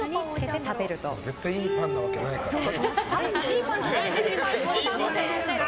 絶対いいパンなわけないからね。